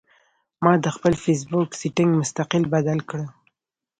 ما د خپل فېس بک سېټنګ مستقل بدل کړۀ